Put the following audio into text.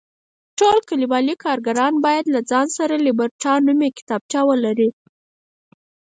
ټول کلیوالي کارګران باید له ځان سره لیبرټا نومې کتابچه ولري.